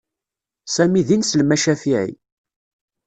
Sami d ineslem acafiɛi.